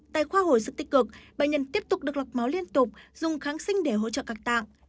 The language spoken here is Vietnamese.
tại khoa hồi sức tích cực bệnh nhân tiếp tục được lọc máu liên tục dùng kháng sinh để hỗ trợ các tạng